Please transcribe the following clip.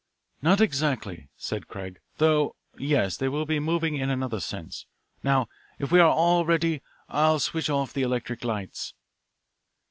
"Not exactly," said Craig, "though yes, they will be moving in another sense. Now, if we are all ready, I'll switch off the electric lights."